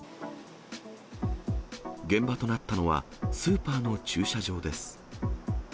現場となったのは、スーパーの駐車場です。